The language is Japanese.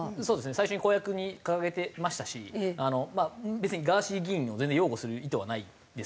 最初に公約に掲げてましたしまあ別にガーシー議員を全然擁護する意図はないですが。